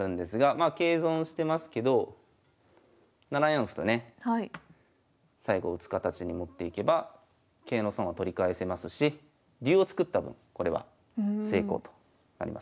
まあ桂損してますけど７四歩とね最後打つ形に持っていけば桂の損は取り返せますし竜を作った分これは成功となりますね。